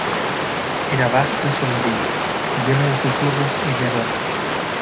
era vasto y sombrío, lleno de susurros y de aromas.